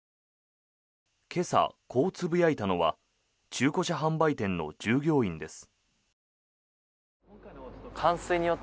今朝、こうつぶやいたのは中古車販売店の従業員です。